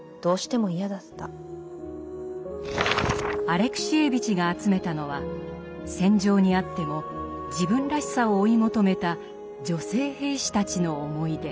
アレクシエーヴィチが集めたのは戦場にあっても自分らしさを追い求めた女性兵士たちの思い出。